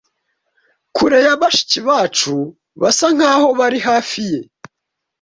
kure ya bashiki bacu basa nkaho bari hafi ye